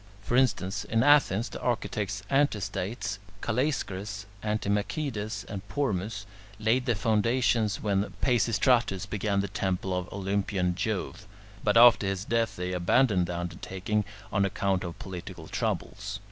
For instance, in Athens, the architects Antistates, Callaeschrus, Antimachides, and Pormus laid the foundations when Peisistratus began the temple of Olympian Jove, but after his death they abandoned the undertaking, on account of political troubles.